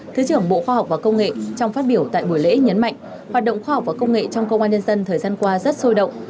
thứ trưởng bộ khoa học và công nghệ trong phát biểu tại buổi lễ nhấn mạnh hoạt động khoa học và công nghệ trong công an nhân dân thời gian qua rất sôi động